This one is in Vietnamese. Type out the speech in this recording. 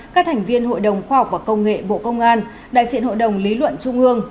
các thành viên hội đồng khoa học và công nghệ bộ công an đại diện hội đồng lý luận trung ương